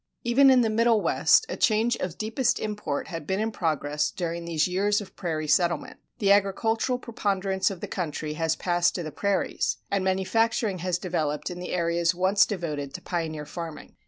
Even in the Middle West a change of deepest import had been in progress during these years of prairie settlement. The agricultural preponderance of the country has passed to the prairies, and manufacturing has developed in the areas once devoted to pioneer farming.